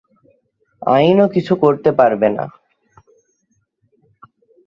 আইনও কিছু করতে পারবে না।